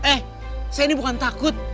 eh saya ini bukan takut